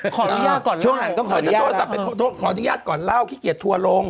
ขออนุญาตก่อนเล่าขออนุญาตก่อนเล่าขี้เกียจทัวลง